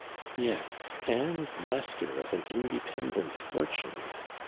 " Yes and master of an independent fo/tune